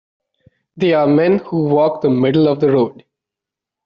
They are men who walk the middle of the road.